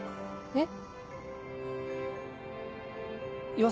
えっ？